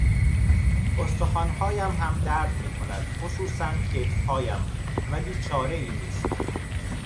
استخوانهایم هم درد میکند خصوصا کتفهایم ولی چارهای نیست